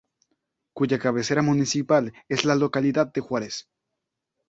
Cuya cabecera municipal es la localidad de Juárez.